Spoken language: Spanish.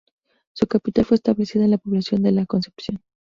Su capital fue establecida en la población de La Concepción.